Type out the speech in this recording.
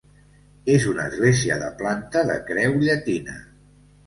És una església de planta de creu llatina.